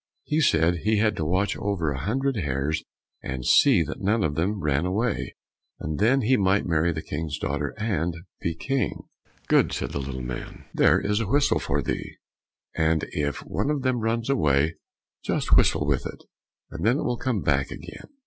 He said he had to watch over a hundred hares and see that none of them ran away, and then he might marry the King's daughter and be King. "Good," said the little man, "there is a whistle for thee, and if one of them runs away, just whistle with it, and then it will come back again."